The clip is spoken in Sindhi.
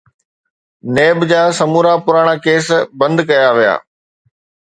نيب جا سمورا پراڻا ڪيس بند ڪيا ويا.